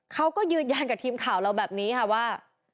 เขาก็ยืนยันกับทีมข่าวเราแบบนี้ค่ะว่า